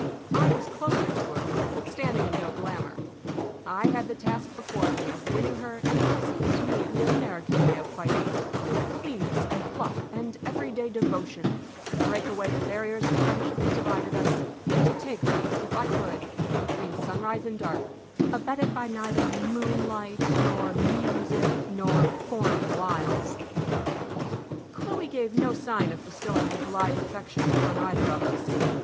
I was closer to her, but standing in no glamour; I had the task before me of winning her in what seems to me the American way of fighting with cleanness and pluck and everyday devotion to break away the barriers of friendship that divided us, and to take her, if I could, between sunrise and dark, abetted by neither moonlight nor music nor foreign wiles. Chloe gave no sign of bestowing her blithe affections upon either of us.